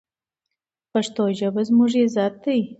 پښتو ژبه زموږ عزت دی.